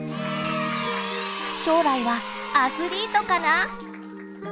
将来はアスリートかな？